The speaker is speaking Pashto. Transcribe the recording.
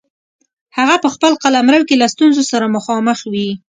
هغه په خپل قلمرو کې له ستونزو سره مخامخ وي.